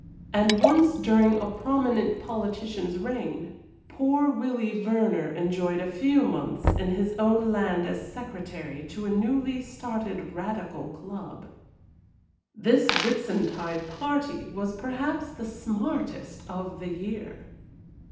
And once, during a prominent politician's reign, poor Willie Verner enjoyed a few months in his own land as secretary to a newly started Radical club. This Whitsuntide party was perhaps the smartest of the year.